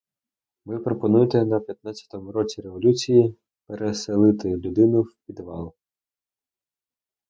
Ви пропонуєте на п'ятнадцятому році революції переселити людину в підвал.